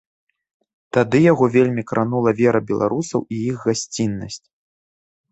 Тады яго вельмі кранула вера беларусаў і іх гасціннасць.